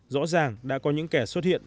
rõ ràng đã có những kẻ xuất hiện